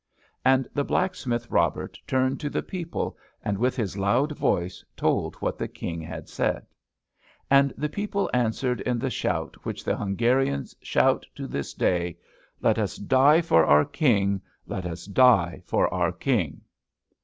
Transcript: And the Blacksmith Robert turned to the people, and with his loud voice, told what the King had said. And the people answered in the shout which the Hungarians shout to this day, "Let us die for our king! Let us die for our king!"